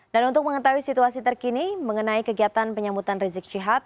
dan untuk mengetahui situasi terkini mengenai kegiatan penyambutan rizik syihab